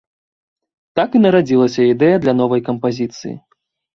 Так і нарадзілася ідэя для новай кампазіцыі.